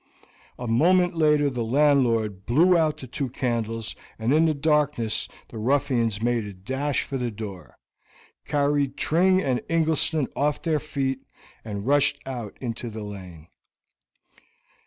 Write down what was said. A moment later the landlord blew out the two candles, and in the darkness the ruffians made a dash for the door, carried Tring and Ingleston off their feet, and rushed out into the lane.